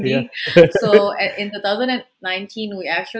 kita mencoba untuk membicarakan